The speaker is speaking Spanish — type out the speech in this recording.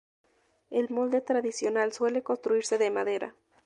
El molde tradicional suele construirse de madera.